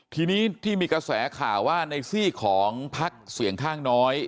ทีนี้ที่มีกระแสข่าวว่าในซี่ของพักเสี่ยงข้างน้อย